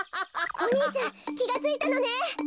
お兄ちゃんきがついたのね。